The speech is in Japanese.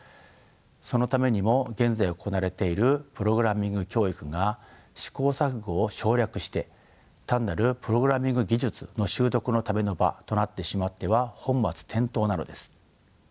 そのためにも現在行われているプログラミング教育が試行錯誤を省略して単なるプログラミング技術の習得のための場となってしまっては本末転倒なのです。